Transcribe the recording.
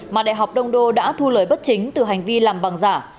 mà đại học đông đô đã thu lời bất chính từ hành vi làm bằng giả